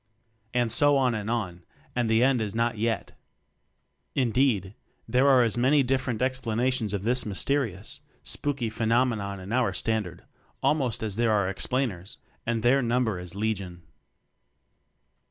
And so on and on, and the end is not yet! Indeed, there are as many different explanations of this mysterious ""spooky" phenomenon in our "Standard" almost as there are ex plainers and their number is legion.